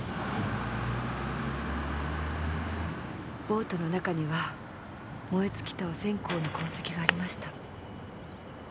ボートの中には燃え尽きたお線香の痕跡がありました。